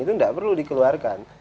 itu nggak perlu dikeluarkan